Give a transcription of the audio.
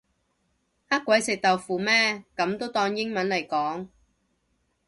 呃鬼食豆腐咩噉都當英文嚟講